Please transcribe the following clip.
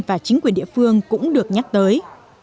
và chính quyền địa phương cũng được nhắc tới